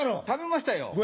食べましたよ。